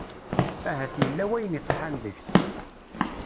Ahat yella wayen iṣeḥḥan deg-s.